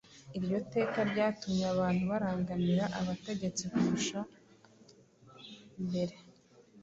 Iryo teka ryatumye abantu barangamira abategetsi kurusha mbere